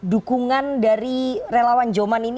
dukungan dari relawan joman ini